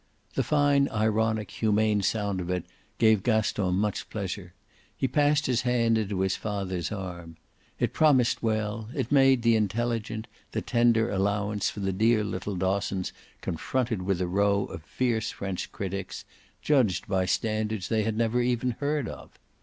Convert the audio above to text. The fine ironic humane sound of it gave Gaston much pleasure; he passed his hand into his father's arm. It promised well; it made the intelligent, the tender allowance for the dear little Dossons confronted with a row of fierce French critics, judged by standards they had never even heard of.